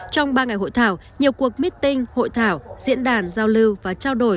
trong ba ngày hội thảo nhiều cuộc meeting hội thảo diễn đàn giao lưu và trao đổi